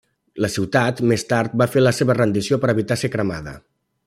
La ciutat més tard va fer la seva rendició per evitar ser cremada.